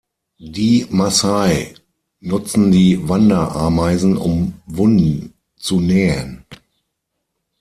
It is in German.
Die Massai nutzen die Wanderameisen, um Wunden zu nähen.